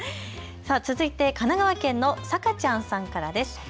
続いて神奈川県のさかちゃんさんからです。